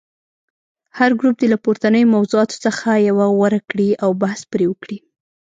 هر ګروپ دې له پورتنیو موضوعاتو څخه یوه غوره کړي او بحث پرې وکړي.